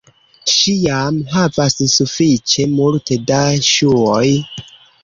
Ŝi jam havas sufiĉe multe da ŝuoj